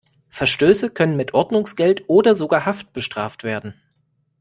Verstöße können mit Ordnungsgeld oder sogar Haft bestraft werden.